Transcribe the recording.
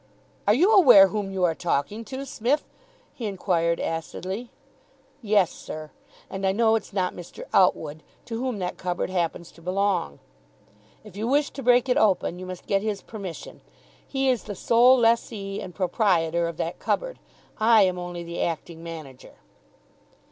"Are you aware whom you are talking to, Smith?" he inquired acidly. "Yes, sir. And I know it's not Mr. Outwood, to whom that cupboard happens to belong. If you wish to break it open, you must get his permission. He is the sole lessee and proprietor of that cupboard. I am only the acting manager."